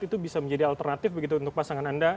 itu bisa menjadi alternatif begitu untuk pasangan anda